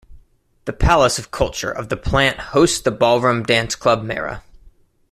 The Palace of Culture of the plant hosts the ballroom Dance Club Mara.